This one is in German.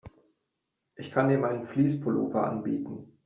Ich kann dir meinen Fleece-Pullover anbieten.